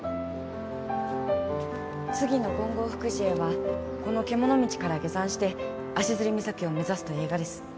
次の金剛福寺へはこの獣道から下山して足岬を目指すとえいがです。